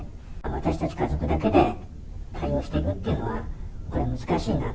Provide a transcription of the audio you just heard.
私たち家族だけで対応するのっていうのは難しいなと。